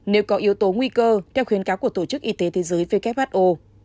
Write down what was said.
nếu có yếu tố nguy cơ theo khuyến cáo của tổ chức y tế thế giới who